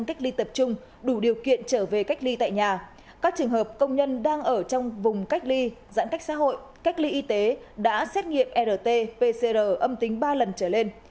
các trường hợp công nhân đang ở trong vùng cách ly giãn cách xã hội cách ly y tế đã xét nghiệm rt pcr âm tính ba lần trở lên